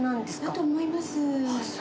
だと思います。